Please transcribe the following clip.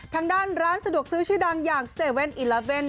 ทางด้านร้านสะดวกซื้อชื่อดังอย่าง๗๑๑